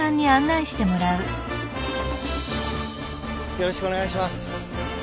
よろしくお願いします。